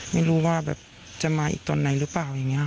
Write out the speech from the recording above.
ไม่รู้ว่าแบบจะมาอีกตอนไหนหรือเปล่าอย่างนี้